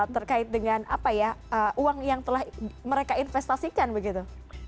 terkait dengan apa ya uang yang telah mereka investasikan begitu